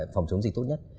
phòng chống dịch tốt nhất